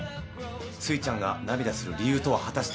すいちゃんが涙する理由とは果たして。